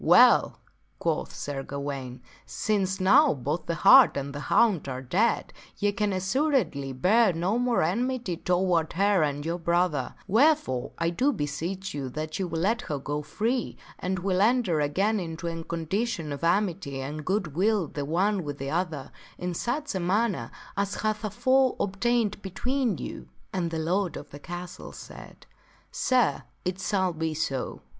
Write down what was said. "Well," quoth Sir Gawaine, " since now both the hart and the hound are dead, ye can assuredly bear no more enmity toward her and your brother, wherefore I do beseech you that you will let her go free, and will enter again into a condition of amity and good will the one with the other, in such a manner as hath afore ob tained between you." And the lord of the castle said, " Sir, it shall be so."